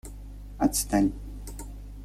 Отстань!..